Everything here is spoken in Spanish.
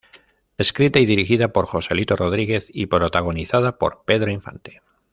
Escrita y dirigida por Joselito Rodríguez y protagonizada por Pedro Infante.